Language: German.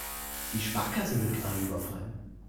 Die Sparkasse wird gerade überfallen.